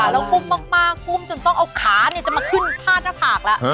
แล้วกุ้มมากกุ้มจนต้องเอาขาจะมาขึ้นพาดหน้าผากแล้ว